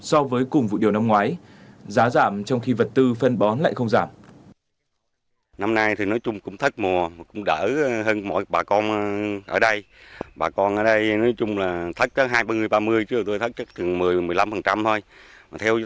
so với cùng vụ điều năm ngoái